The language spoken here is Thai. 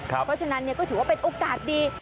เพราะฉะนั้นก็ถือว่าเป็นโอกาสดี